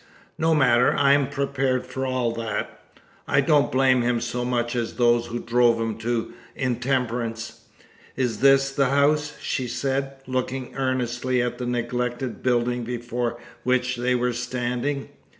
No matter; I am prepared for all that. I don't blame him so much as those who drove him to intemperance. Is this the house?" she said, looking earnestly at the neglected building before which they were standing.